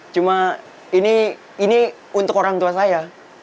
cuma ini untuk orang tua saya